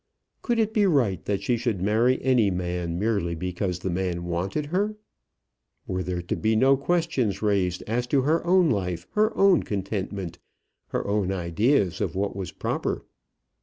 Could it be right that she should marry any man, merely because the man wanted her? Were there to be no questions raised as to her own life, her own contentment, her own ideas of what was proper?